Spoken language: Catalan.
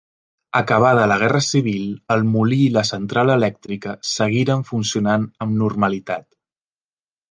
Acabada la Guerra Civil el molí i la central elèctrica seguiren funcionant amb normalitat.